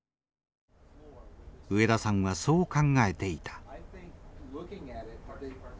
植田さんはそう考えていた。